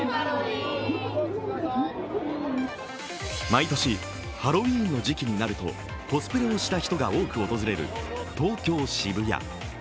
毎年、ハロウィーンの時期になるとコスプレをした人が多く訪れる東京・渋谷。